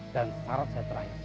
dan syarat saya terakhir